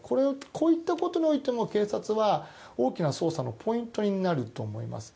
こういったことにおいても警察は大きな捜査のポイントになると思います。